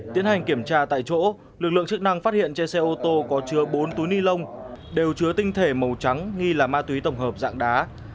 tiến hành kiểm tra tại chỗ lực lượng chức năng phát hiện trên xe ô tô có chứa bốn túi ni lông đều chứa tinh thể màu trắng nghi là ma túy tổng hợp dạng đá